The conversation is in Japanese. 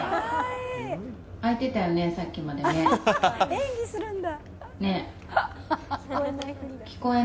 演技するんだ。